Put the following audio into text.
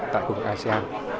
tại khu vực asean